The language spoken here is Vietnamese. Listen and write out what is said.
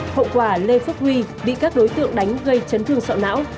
hậu quả lê phúc huy bị các đối tượng đánh gây chấn thương sọ não